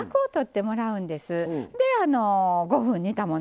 で５分煮たもの。